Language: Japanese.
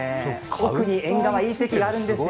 特に縁側、いい席があるんですよ。